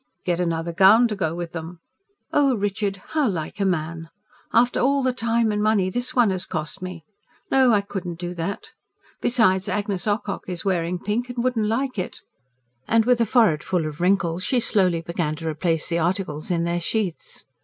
"Get another gown to go with them." "Oh, Richard... how like a man! After all the time and money this one has cost me. No, I couldn't do that. Besides, Agnes Ocock is wearing pink and wouldn't like it." And with a forehead full of wrinkles she slowly began to replace the articles in their sheaths.